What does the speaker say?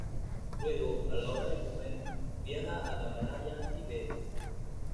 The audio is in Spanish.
Luego, a la hora de comer, viaja al Valhalla y bebe.